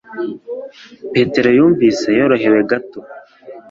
Peter yumvise yorohewe gato.